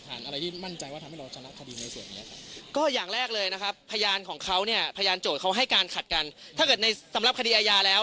ตรงนี้เลยดีกว่านะครับขอร้ายตั้งค่ะที่เราขึ้นมาสู่ไพแยร์